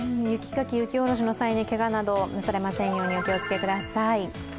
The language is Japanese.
雪かき、雪下ろしの際にけがなどなされませんようにお気をつけください。